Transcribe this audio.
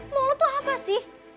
mau lo tuh apa sih